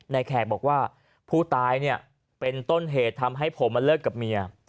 แขกบอกว่าผู้ตายเนี่ยเป็นต้นเหตุทำให้ผมมาเลิกกับเมีย